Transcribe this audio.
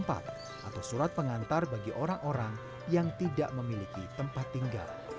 atau surat pengantar bagi orang orang yang tidak memiliki tempat tinggal